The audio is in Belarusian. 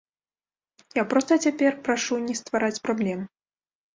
Я проста цяпер прашу не ствараць праблем.